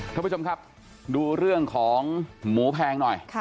ท่านผู้ชมครับดูเรื่องของหมูแพงหน่อย